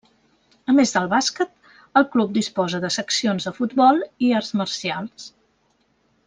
A més del bàsquet, el club disposa de seccions de futbol i arts marcials.